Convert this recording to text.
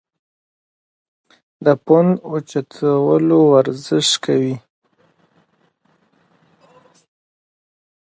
د پوندو اوچتولو ورزش کوی -